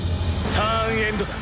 ターンエンドだ。